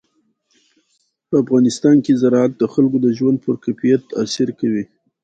په افغانستان کې زراعت د خلکو د ژوند په کیفیت تاثیر کوي.